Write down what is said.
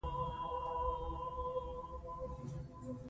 ادب او اخلاق باید هېر نه کړو.